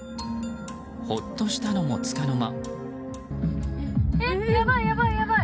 ほっとしたのもつかの間。